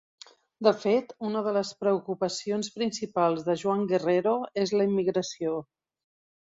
De fet, una de les preocupacions principals de Joan Guerrero és la immigració.